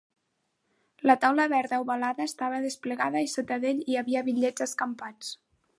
La taula verda ovalada estava desplegada i sota d'ell hi havia bitllets escampats.